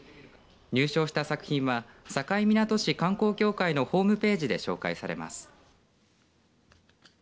入賞した作品は境港市観光協会のホームページで紹介されます。